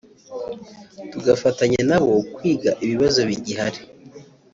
tugafatanya na bo kwiga ibibazo bigihari